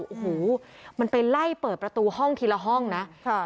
โอ้โหมันไปไล่เปิดประตูห้องทีละห้องนะค่ะ